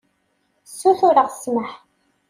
Sutureɣ ssmaḥ.